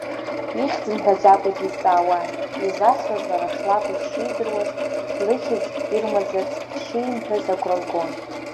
Ихьӡ мҳәаӡакәа дизҵаауан, изасуаз лара шлакәыз шидыруаз, лыхьӡ ирмаӡарц ишимҳәаз агәра лгон.